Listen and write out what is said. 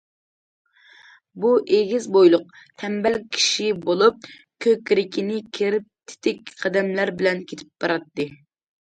بۇ ئېگىز بويلۇق، تەمبەل كىشى بولۇپ، كۆكرىكىنى كېرىپ تېتىك قەدەملەر بىلەن كېتىپ باراتتى.